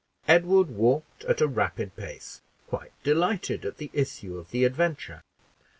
Edward walked at a rapid pace, quite delighted at the issue of the adventure.